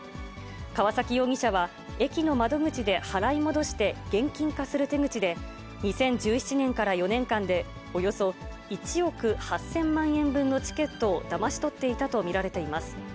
川崎容疑者は、駅の窓口で払い戻して現金化する手口で、２０１７年から４年間で、およそ１億８０００万円分のチケットをだまし取っていたと見られています。